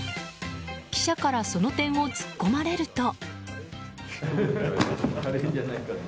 記者からその点を突っ込まれると。